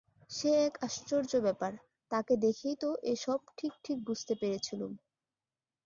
সে এক আশ্চর্য ব্যাপার! তাঁকে দেখেই তো এ-সব ঠিক ঠিক বুঝতে পেরেছিলুম।